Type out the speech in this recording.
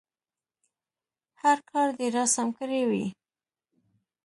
هر کار دې راسم کړی وي.